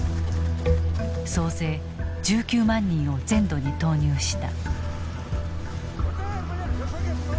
総勢１９万人を全土に投入した。